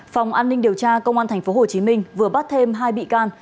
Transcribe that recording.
phòng an ninh điều tra công an tp hcm vừa bắt thêm hai bị can